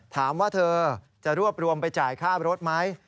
ถามว่าเธอจะรวบรวมไปจ่ายค่ารถไหม